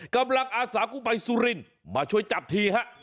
กำลังอาสากุปัยสุรินทร์มาช่วยจับที